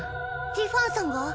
ティファンさんが？